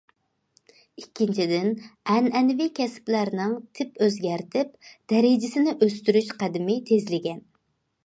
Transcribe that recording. ئىككىنچىدىن ئەنئەنىۋى كەسىپلەرنىڭ تىپ ئۆزگەرتىپ، دەرىجىسىنى ئۆستۈرۈش قەدىمى تېزلىگەن.